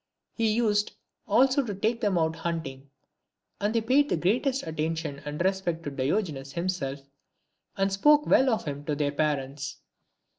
He used, also to take them out hunting ; and they paid the greatest attention and respect to Diogenes himself, and spoke well of him to their parents.